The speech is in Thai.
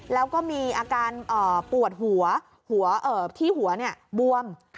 แล้วก็มีอาการปวดหัวที่หัวบวม